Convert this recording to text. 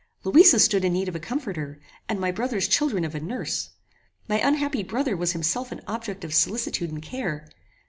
Louisa stood in need of a comforter, and my brother's children of a nurse. My unhappy brother was himself an object of solicitude and care.